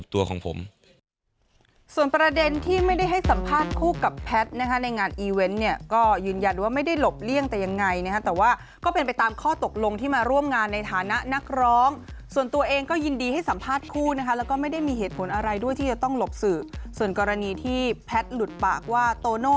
ตัวของผมส่วนประเด็นที่ไม่ได้ให้สัมภาษณ์คู่กับแพทย์นะคะในงานอีเวนต์เนี่ยก็ยืนยันว่าไม่ได้หลบเลี่ยงแต่ยังไงนะฮะแต่ว่าก็เป็นไปตามข้อตกลงที่มาร่วมงานในฐานะนักร้องส่วนตัวเองก็ยินดีให้สัมภาษณ์คู่นะคะแล้วก็ไม่ได้มีเหตุผลอะไรด้วยที่จะต้องหลบสื่อส่วนกรณีที่แพทย์หลุดปากว่าโตโน่